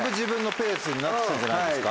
なってきたんじゃないですか？